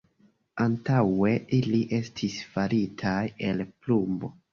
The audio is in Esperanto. Antaŭe ili estis faritaj el plumbo.